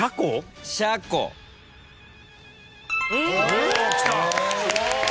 おきた。